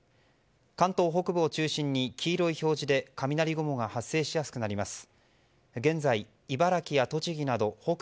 関東北部を中心に黄色い表示で雷雲が発生しやすくなります。